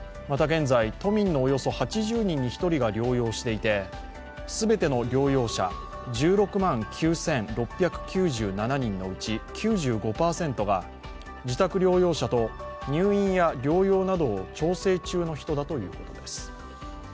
また現在、都民のおよそ８０人に１人が療養していて全ての療養者１６万９６９７人のうち９５％が自宅療養者と入院や療養などを調整中の人だということです。